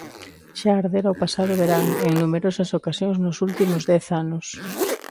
Xa ardera o pasado verán e en numerosas ocasións nos últimos dez anos.